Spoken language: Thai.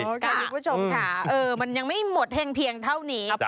คุณผู้ชมค่ะมันยังไม่หมดแห่งเพียงเท่านี้